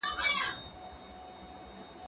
زه له سهاره سپينکۍ پرېولم!؟